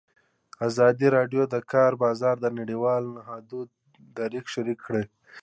ازادي راډیو د د کار بازار د نړیوالو نهادونو دریځ شریک کړی.